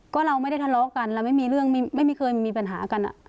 ก็เราไม่ได้ทะเลาะกันเราไม่มีเรื่องไม่เคยมีปัญหากัน